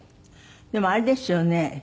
でもあれですよね。